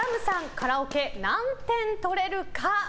カラオケ何点取れるか。